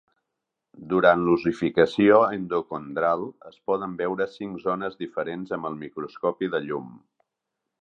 Durant l'ossificació endocondral, es poden veure cinc zones diferents amb el microscopi de llum.